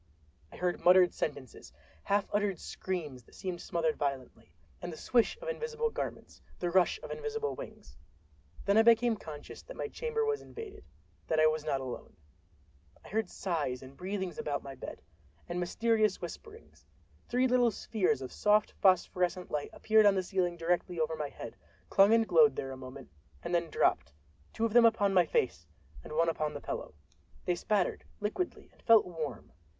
I heard muttered sentences; half uttered screams that seemed smothered violently; and the swish of invisible garments, the rush of invisible wings. Then I became conscious that my chamber was invaded—that I was not alone. I heard sighs and breathings about my bed, and mysterious whisperings. Three little spheres of soft phosphorescent light appeared on the ceiling directly over my head, clung and glowed there a moment, and then dropped—two of them upon my face and one upon the pillow. They spattered, liquidly, and felt warm.